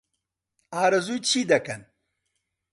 ئارەزووی چی دەکەن؟